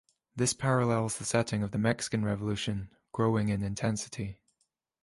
This parallels the setting of the Mexican Revolution growing in intensity.